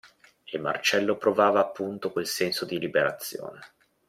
E Marcello provava appunto quel senso di liberazione.